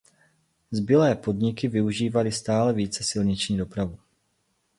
Zbylé podniky využívaly stále více silniční dopravu.